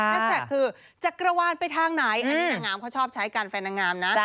แท็กคือจะกระวานไปทางไหนอันนี้นางงามเขาชอบใช้กันแฟนนางงามนะ